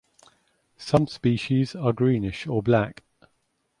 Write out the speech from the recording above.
Some species are greenish or black.